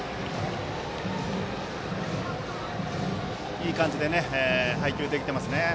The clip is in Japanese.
いい感じで配球できていますね。